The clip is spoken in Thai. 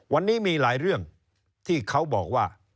วันนี้มีหลายเรื่องที่เขาบอกว่า